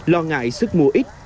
lo ngại sức mua ít